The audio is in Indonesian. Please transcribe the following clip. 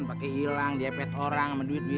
pakai hilang dipet orang sama duitnya